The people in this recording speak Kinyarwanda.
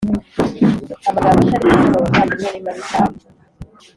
Amagambo Atari meza mubavandimwe nimabi cyane